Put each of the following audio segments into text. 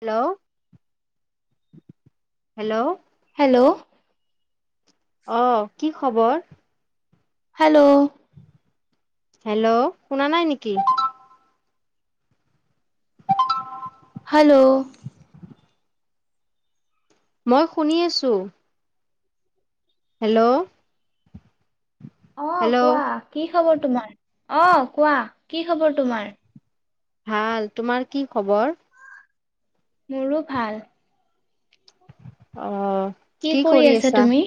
Hello, hello? Hello? অ' কি খবৰ? হেল্ল'? হেল্ল' শুনা নাই নেকি? [inaudible] হেল্ল'? মই শুনি আছো। হেল্ল'? অ হেল্ল' কোৱা কি খবৰ তোমাৰ? অ কোৱা কি খবৰ তোমাৰ? ভাল। তোমাৰ কি খবৰ? মোৰো ভাল। অ। কি কৰি আছা তুমি?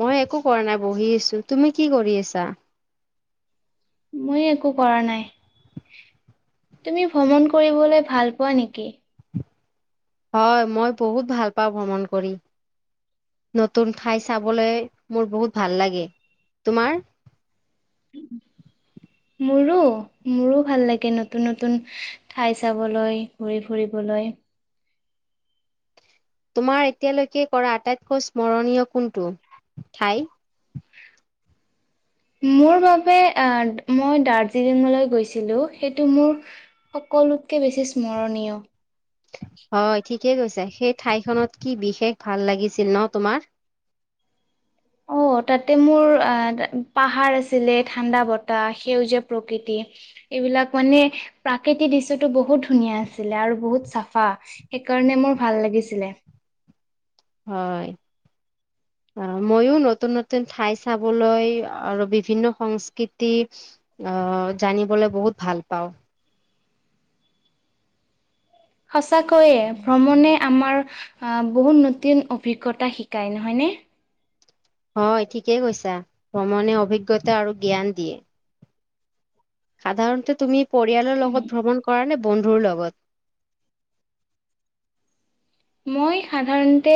মই একো কৰা নাই বহি আছো, তুমি কি কৰি আছা? মই একো কৰা নাই, তুমি ভ্ৰমণ কৰিবলৈ ভাল পোৱা নেকি? হয়' মই বহুত ভাল পাওঁ ভ্ৰমণ কৰি। নতুন ঠাই চাবলে মোৰ বহুত ভাল লাগে, তোমাৰ? [inaudible] মোৰো, মোৰো ভাল লাগে নতুন নতুন। ঠাই চাবলৈ, ঘূৰি ফুৰিবলৈ। তোমাৰ এতিয়ালৈকে কৰা আটাইতকৈ স্মৰণীয় কোনটো ঠাই? মোৰ বাবে মই দাৰ্জিলিঙলৈ গৈছিলো, সেইটো মোৰ সকলোতকে বেছি স্মৰণীয়। হয়' ঠিকে কৈছা, সেই ঠাইখনত কি বিশেষ ভাল লাগিছিল ন তোমাৰ? অ' তাতে মোৰ আ 'পাহাৰ আছিলে, ঠাণ্ডা বতাহ, সেউজীয়া প্ৰকৃতি। এইবিলাক মানে প্ৰাকৃতিক দৃশ্যতো বহুত ধুনীয়া আছিলে, আৰু বহুত চাফা। সেইকাৰণে মোৰ ভাল লাগিছিলে। হয়। মইও নতুন নতুন ঠাই চাবলৈ আৰু বিভিন্ন সংস্কৃতি অ' জানিবলে বহুত ভাল পাওঁ। সঁচাকৈয়ে ভ্ৰমণে আমাৰ বহুত নতুন অভিজ্ঞতা শিকায় নহয়নে? হয় ঠিকেই কৈছা, ভ্ৰমণে অভিজ্ঞতা আৰু জ্ঞান দিয়ে। সাধাৰণতে তুমি পৰিয়ালৰ লগত ভ্ৰমণ কৰা নে বন্ধুৰ লগত? মই সাধাৰণতে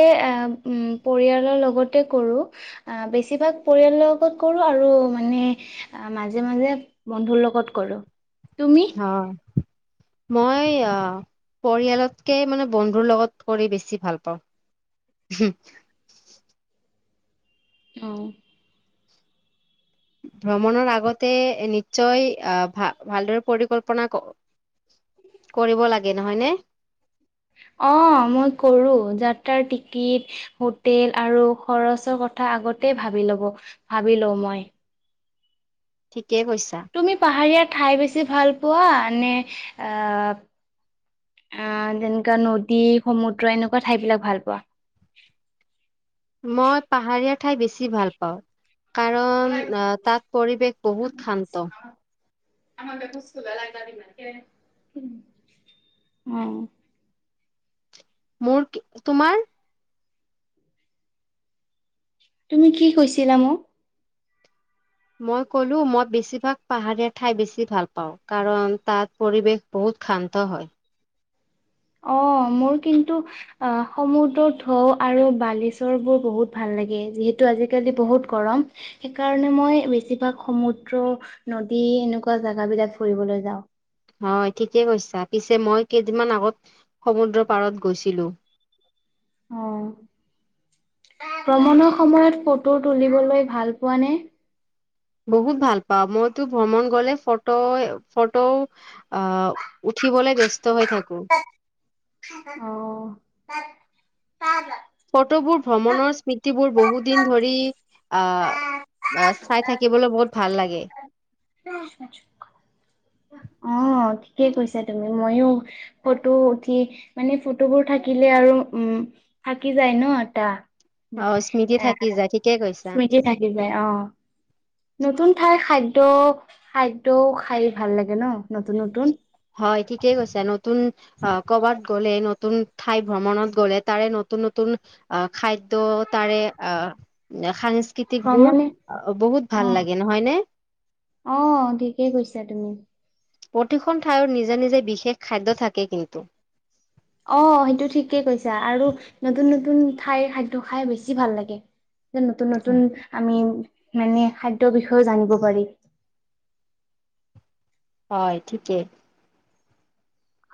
পৰিয়ালৰ লগতে কৰো। আহ', বেছিভাগ পৰিয়ালৰ লগত কৰো আৰু মানে আহ', মাজে -মাজে বন্ধুৰ লগত কৰো। হয়। মই, পৰিয়ালতকৈ মানে বন্ধুৰ লগত কৰি বেছি ভাল পাওঁ। হুম। অ'। ভ্ৰমণৰ আগতে নিশ্চয় আহ', ভা -ভালদৰে পৰিকল্পনা কৰিব লাগে নহয় নে? অ', মই কৰোঁ যাত্ৰাৰ টিকিট হোটেল আৰু খৰচৰ কথা আগতে ভাবি লব, ভাবি লওঁ মই। ঠিকেই কৈছা। তুমি পাহাৰীয়া ঠাই বেছি ভাল পোৱা নে, আহ', - তেনেকুৱা নদী সমুদ্ৰ এনেকুৱা ঠাই বিলাক ভাল পোৱা? মই পাহাৰীয়া ঠাই বেছি ভাল পাওঁ। কাৰণ তাত পৰিৱেশ বহুত শান্ত। অ'। মোৰ কি, তোমাৰ? তুমি কি কৈছিলা মোক? মই ক'লো মই বেছিভাগ পাহাৰীয়া ঠাই বেছি ভাল পাওঁ, কাৰণ তাত পৰিৱেশ বহুত শান্ত হয়। অ' মোৰ কিন্তু আহ', সমুদ্ৰ ঢৌ আৰু বালিচৰ বোৰ বহুত ভাল লাগে, যিহেতু আজি-কালি বহুত গৰম। সেইকাৰণে মই বেছিভাগ সমুদ্ৰ, নদী এনেকুৱা জেগা বিলাক ফুৰিবলৈ যাওঁ। হয় ঠিকে কৈছা, পিছে মই কেইদিনমান আগত, সমুদ্ৰ পাৰত গৈছিলো। অ', ভ্ৰমণৰ সময়ত ফটো তুলিবলৈ ভাল পোৱা নে? বহুত ভাল পাওঁ মইতো ভ্ৰমণ গলে ফটো -ফটো আহ', উঠিব ব্যস্ত হৈ থাকো। অ'। ফটোবোৰ ভ্ৰমণৰ স্মৃতিবোৰ বহুত দিন ধৰি, আহ', চাই থাকিবলৈ বহুত ভাল লাগে। [inaudible] অ', ঠিকে কৈছে তুমি, ময়ো ফটো উঠি মানে ফটোবোৰ থাকিলে আৰু উম থাকি যায় ন এটা, অ স্মৃতি এ, থাকি যায় ঠিকে কৈছা স্মৃতি থাকি যায় অঁহ'। নতুন ঠাইৰ খাদ্যয় খাদ্যও খাই ভাল লাগে ন নতুন নতুন? হয় ঠিকেই কৈছে, নতুন অ', কৰ'বাত গ'লে নতুন ঠাই ভ্ৰমণত গ'লে তাৰে নতুন- নতুন আহ', খাদ্য তাৰে আহ', সাংস্কৃতি বোৰ, ভ্ৰমণে বহুত অ ভাল লাগে নহয় নে? অ', ঠিকেই কৈছা তুমি। প্ৰতিখন ঠাইৰ নিজে- নিজে বিশেষ খাদ্য থাকে কিন্তু। অঁ সেইটো ঠিকেই কৈছা, আৰু নতুন নতুন ঠাইৰ খাদ্য খাই বেছি ভাল লাগে। যে নতুন নতুন আমি মানে খাদ্যৰ বিষয়েও জানিব পাৰি হয় ঠিকে।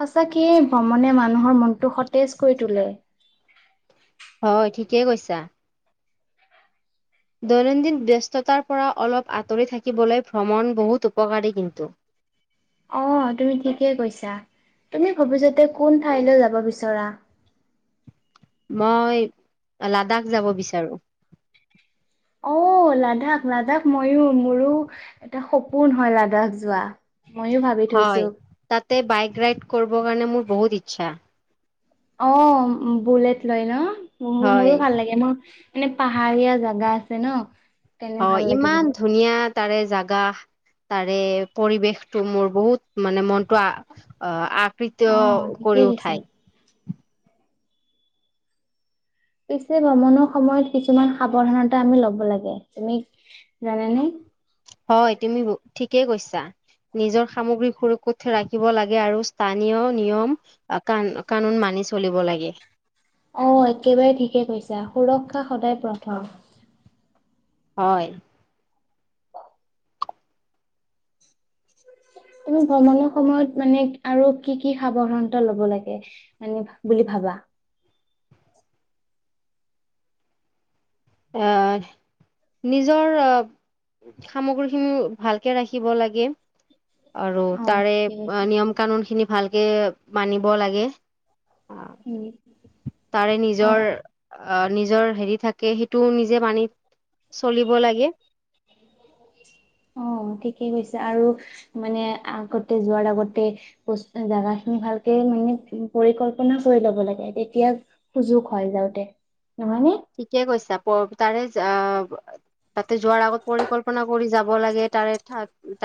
সঁচাকেই ভ্ৰমণে মানুহৰ মনটো সতেজ কৰি তোলে। হয় ঠিকেই কৈছা। দৈনন্দিন ব্যস্ততাৰ পৰা অলপ আঁতৰি থাকিবলৈ ভ্ৰমণ বহুত উপকাৰী কিন্তু অঁ তুমি ঠিকেই কৈছা। তুমি ভৱিষ্যতে কোন ঠাইলৈ যাব বিচৰা? মই লাডাখ যাব বিচাৰো। অঁ লাডাখ লাডাখ মইও মোৰো এটা সপোন হয় লাডাখ যোৱা। মইয়ো ভাবি থৈছো। হয় তাতে বাইক ৰাইড কৰিবৰ কাৰণে মোৰ বহুত ইচ্ছা। অঁ বুলেট লৈ ন হয় মোৰো ভাল লাগে। মা নে পাহাৰীয়া জাগা আছে ন। তেনে অ ভাল লাগে ইমান বহুত। ধুনীয়া তাৰে জাগা। তাৰে পৰিৱেশটো মোৰ বহুত মানে মনটো আ আ কৃতয় অ', কৰি ঠিকেই দিছা। উঠায়। পিছে ভ্ৰমণৰ সময়ত কিছুমান সাৱধানতা আমি ল'ব লাগে। তুমি জানা নে? হয় তুমি ঠিকেই কৈছা। নিজৰ সামগ্ৰী সুৰক্ষিত ৰাখিব লাগে আৰু স্থানীয় নিয়ম কা কানুন মানি চলিব লাগে। অ একেবাৰে ঠিকে কৈছা সুৰক্ষা সদায় প্ৰথম। হয়। তুমি ভ্ৰমণৰ সময়ত মানে আৰু কি কি সাৱধানতা ল'ব লাগে মানে বুলি ভাবা? আহ নিজৰ সামগ্ৰী খিনি ভালকে ৰাখিব লাগে। আৰু অ', তাৰে ঠিকে কৈছা, নিয়ম কানুন খিনি ভালকে মানিব লাগে। উম, তাৰে নিজৰ অ', আহ নিজৰ হেৰি থাকে সেই টো নিজে মানি চলিব লাগে। অঁ ঠিকেই কৈছে। আৰু মানে আগতে যোৱাৰ আগতে জাগা খিনি ভালকে মানে পৰিকল্পনা কৰি ল'ব লাগে তেতিয়া সুযোগ হয় যাওঁতে নহয় নে? ঠিকে কৈছা তাৰে আ তাতে যোৱাৰ আগত পৰিকল্পনা কৰি যাব লাগে তাৰে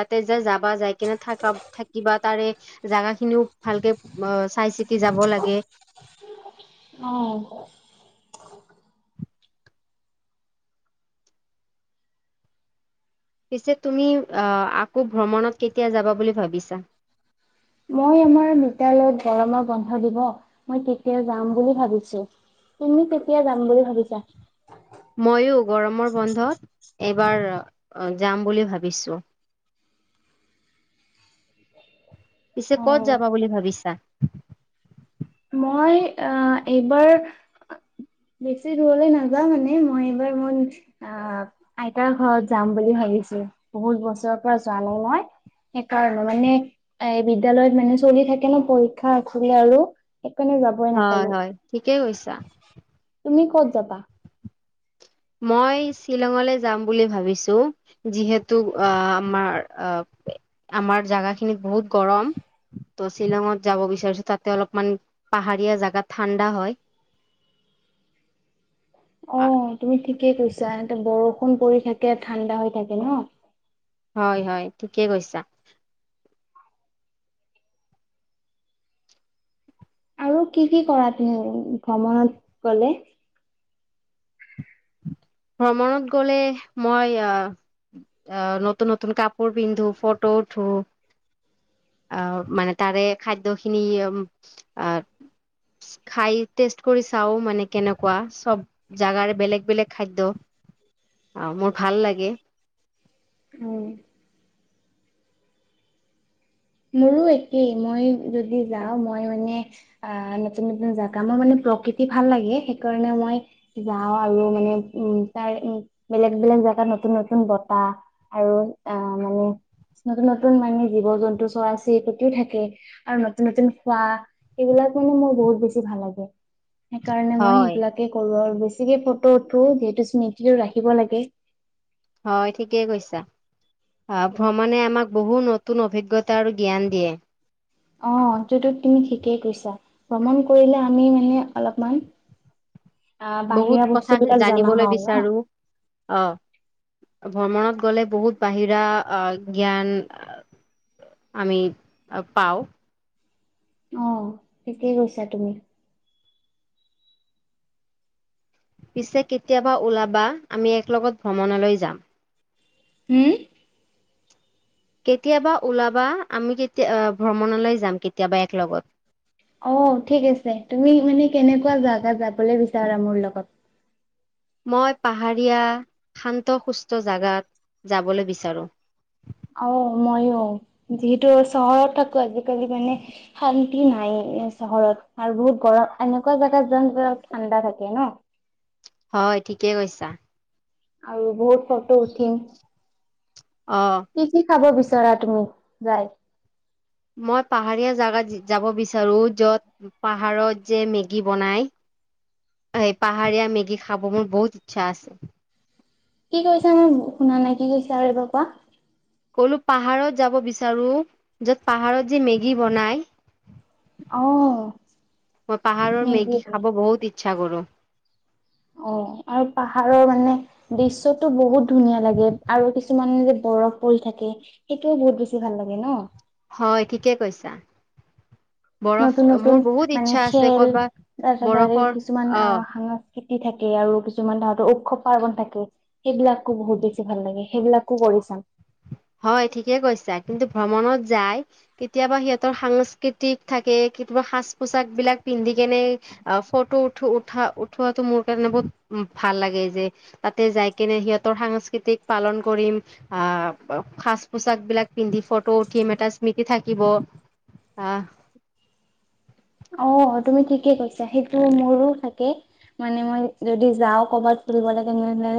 তাতে যে যাবা যাই কিনে থাকা থাকিবা তাৰে জাগা খিনিও ভালকে অ চাই চিতি যাব লাগে। অঁ। পিছে তুমি আহ আকৌ ভ্ৰমণত কেতিয়া যাবা বুলি ভাবিছা? মই আমাৰ বিদ্যালয়ত গৰমৰ বন্ধ দিব মই তেতিয়া যাম বুলি ভাবিছো। তুমি কেতিয়া যাম বুলি ভাবিছা? মইয়ো গৰমৰ বন্ধত এইবাৰ যাম বুলি ভাবিছো। পিছে কত অ'। যাবা বুলি ভাবিছা? মই অ এইবাৰ বেছি দূৰলৈ নাযাওঁ মানে মই এইবাৰ মোৰ আঁ আইতাৰ ঘৰত যাম বুলি ভাবিছো বহুত বছৰৰ পৰা যোৱা নাই মই। সেইকাৰণে মানে এ বিদ্যালয়ত মানে চলি থাকে ন পৰীক্ষা খোলে আৰু সেইকাণে যা হয় হয়। ঠিকেই কৈছা। তুমি ক'ত যাবা? মই শ্বিলঙলে যাম বুলি ভাবিছো। যিহেতু আ আমাৰ আহ আমাৰ জাগাখিনিত বহুত গৰম। ত' শ্বিলঙত যাব বিচাৰিছো। তাতে অলপমান পাহাৰীয়া জাগা ঠাণ্ডা হয়। অ, তুমি ঠিকেই কৈছা। ইয়াতে বৰষুণ পৰি থাকে। ঠাণ্ডা হৈ থাকে ন। হয় হয়। ঠিকেই কৈছা। আৰু কি কি কৰা তুমি ভ্ৰমণত গলে? ভ্ৰমণত গ'লে মই আহ অ নতুন নতন কাপোৰ পিন্ধো, ফটো উঠো। আহ মানে তাৰে খাদ্যখিনি আহ খাই টেষ্ট কৰি চাও মানে কেনেকুৱা, চব জাগাৰে বেলেগ বেলেগ খাদ্য আৰু মোৰ ভাল লাগে। হুম। মোৰো একেই। মইও যদি যাওঁ মই মানে আহ নতুন নতুন জেগা। মই মানে প্ৰকৃতি ভাল লাগে। সেইকাৰণে মই যাওঁ আৰু মানে উম তাৰ উ বেলেগ বেলেগ জেগাত নতুন নতুন বতাহ। আৰু অ মানে নতুন নতুন মানে জীৱ জন্তু আছেই। ততে থাকে আৰু নতুন নতুন খোৱা। এইবিলাক মানে মোৰ বহুত বেছি ভাল লাগে। সেইকাৰণে মই হয় সেইবিলাকে কৰো আৰু বেছিকে ফটো উঠো যিহেতু স্মৃতি ও ৰাখিব লাগে। হয়। ঠিকেই কৈছা। আ ভ্ৰমণে আমাক বহু নতুন অভিজ্ঞতা আৰু জ্ঞান দিয়ে। অ তো তো তুমি ঠিকেই কৈছা। ভ্ৰমণ কৰিলে আমি মানে অলপমান আ বহুত বাহিৰা কথা বস্তু বিলাক জনা জানিবলৈ হও ন। বিচাৰো অ। ভ্ৰমণত গলে বহুত বাহিৰা আ জ্ঞান আ আমি পাও। অ। থিকেই কৈছা তুমি। পিছে কেতিয়াবা ওলাবা। আমি এক লগত ভ্ৰমণলৈ যাম। হুম? কেতিয়াবা ওলাবা। আমি তেতিয়া ভ্ৰমনলৈ যাম কেতিয়াবা এক লগত। অ, ঠিক আছে। তুমি মানে কেনেকুৱা জাগা যাবলে বিচাৰা মোৰ লগত? মই পাহাৰীয়া শান্ত সুস্থ জাগাত যাবলে বিচাৰোঁ। অ, মইও। যিহেতু চহৰত থাকো আজিকালি মানে শান্তি নাইয়ে এ চহৰত। আৰু বহুত গৰম। এনেকুৱা জাগাত যাম যত, ঠাণ্ডা থাকে ন? হয়। ঠিকেই কৈছা। আৰু বহুত ফটো উঠিম। অঁ। কি কি খাব বিচৰা তুমি যাই? মই পাহাৰীয়া জাগাত যাব বিচাৰো য'ত, পাহাৰত যে মেগী বনাই? এ পাহাৰীয়া মেগী খাব মোৰ বহুত ইচ্ছা আছে। কি কৈছা মানে শুনা নাই? কি কৈছা আৰু এবাৰ কোৱা? [unintelligible] পাহাৰত যাব বিচাৰো যত পাহাৰত যে মেগী বনাই। অ', মই পাহাৰৰ মেগী খাব বহুত ইচ্ছা কৰো। অ আৰু পাহাৰৰ মানে। দৃশ্যয়তো বহুত ধুনীয়া লাগে আৰু কিছুমানে যে বৰফ পৰি থাকে। সেইটোয়েও বহুত বেছি ভাল লাগে ন। হয় ঠিকে কৈছা। বৰফ নতুন নতুন মোৰ বহুত মানে ইচ্ছা আছে খেল ক'ৰবাত তাৰ পিছত কিছুমান অ [unintelligible] খেতি থাকে আৰু কিছুমান তাহতৰ উৎসৱ পাৰ্বন থাকে। সেইবিলাকো বহুত বেছি ভাল লাগে। সেইবিলাকো কৰি চাম। হয় ঠিকে কৈছা। কিন্তু ভ্ৰমণত যাই। কেতিয়াবা সিহঁতৰ সাংস্কৃতিক থাকে কেতিয়াবা সাজ পোচাক বিলাক পিন্ধি কিনে, আহ, ফটো উঠ উঠা উঠোৱাটো মোৰ কাৰণে বহুত উ ভাল লাগে যে, তাতে যাই কিনে সিহঁতৰ সাংস্কৃতিক পালন কৰিম। আহ, সাজ পোছাক বিলাক পিন্ধি ফটো উঠিম এটা স্মৃতি থাকিব। আহ, অ তুমি ঠিকে কৈছা। সেইটো মোৰো থাকে। মানে মই যদি যাওঁ কৰ'বাত ফুৰিবলে, তেনেহলে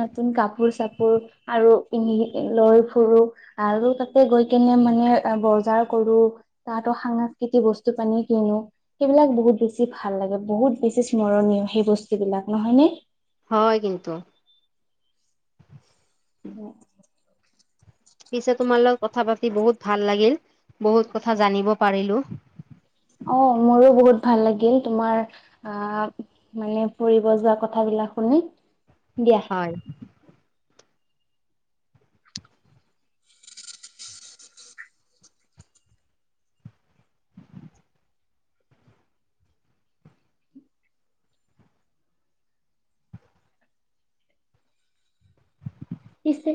নতুন কাপোৰ- চাপোৰ, আৰু [unintelligible] লৈ ফুৰো। আৰু তাতে গৈ কেনে মানে বজাৰ কৰো তাহাতৰ সাংস্কৃতিক বস্তু খিনি। কিনো, সেইবিলাক বহুত বেছি ভাল লাগে বহুত বেছি স্মৰণীয় সেই বস্তু বিলাক নহয় নে? হয় কিন্তু। উম। পিছে তোমাৰ লগত কথা পাতি বহুত ভাল লাগিল, বহুত কথা জানিব পাৰিলো। অ মোৰো বহুত ভাল লাগিল, তোমাৰ আহ মানে, ফুৰিব যোৱা কথাবিলাক শুনি দিয়া। হয়। দিছে।